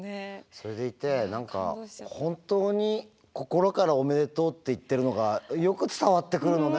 それでいて何か本当に心からおめでとうって言ってるのがよく伝わってくるのね。